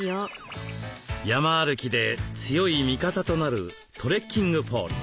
山歩きで強い味方となるトレッキングポール。